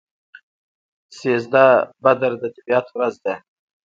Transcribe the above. سیزده بدر د طبیعت ورځ ده.